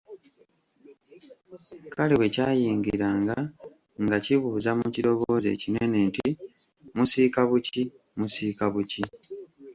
Kale bwekyayingiranga nga kibuuza mu kiroboozi ekinene nti, “musiika buki, musiika buki?